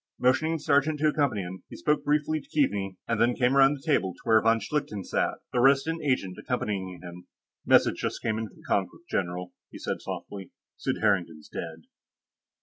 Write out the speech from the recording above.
Motioning the sergeant to accompany him, he spoke briefly to Keaveney and then came around the table to where von Schlichten sat, the Resident Agent accompanying him. "Message just came in from Konkrook, general," he said softly. "Sid Harrington's dead."